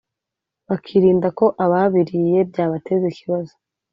bakirinda ko ababiriye byabateza ikibazo